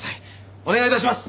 お願いいたします！